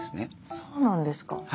そうなんですか。